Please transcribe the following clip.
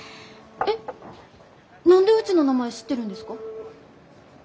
えっ何でうちの名前知ってるんですか？